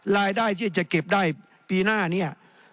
รายได้ที่จะเก็บได้ปีหน้าเนี่ย